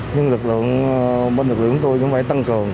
nhưng lực lượng bên lực lượng chúng tôi cũng phải tăng cường